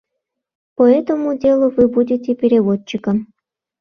— По этому делу вы будете переводчиком.